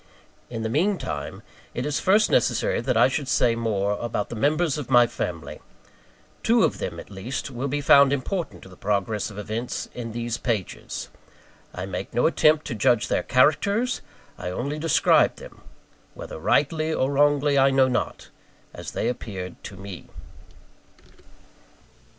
In the mean time, it is first necessary that I should say more about the members of my family. Two of them, at least, will be found important to the progress of events in these pages. I make no attempt to judge their characters: I only describe them whether rightly or wrongly, I know not as they appeared to me.